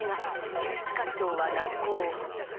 救出活動は難航。